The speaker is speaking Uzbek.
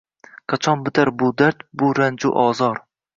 Qachon bitar bu dard, bu ranju ozor?